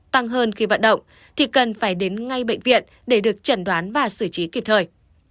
tăng hơn khi vận động thì cần phải đến ngay bệnh viện để được chẩn đoán và xử trí kịp thời